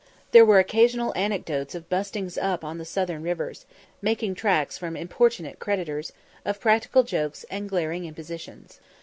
There were occasional anecdotes of "bustings up" on the southern rivers, "making tracks" from importunate creditors, of practical jokes, and glaring impositions.